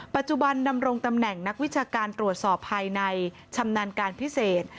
ปัจจุบันดำรงตำแหน่งนักวิชาการตรวจสอบภายในชำนาญการพิเศษ